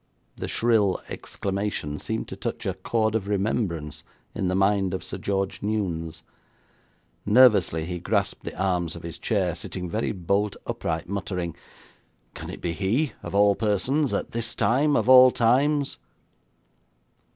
The shrill exclamation seemed to touch a chord of remembrance in the mind of Sir George Newnes. Nervously he grasped the arms of his chair, sitting very bolt upright, muttering: 'Can it be he, of all persons, at this time, of all times?'